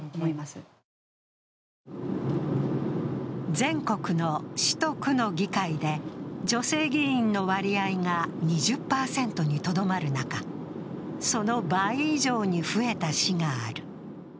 全国の市と区の議会で女性議員の割合が２０％にとどまる中その倍以上に増えた市がある。